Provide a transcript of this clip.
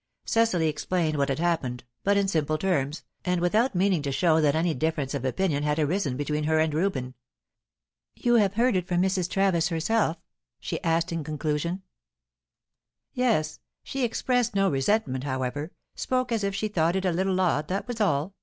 Cecily explained what had happened, but in simple terms, and without meaning to show that any difference of opinion had arisen between her and Reuben. "You have heard of it from Mrs. Travis herself?" she asked, in conclusion. "Yes. She expressed no resentment, however; spoke as if she thought it a little odd, that was all.